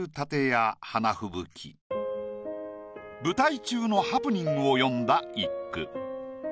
舞台中のハプニングを詠んだ一句。